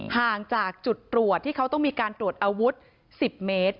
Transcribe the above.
ห่างจากจุดตรวจที่เขาต้องมีการตรวจอาวุธ๑๐เมตร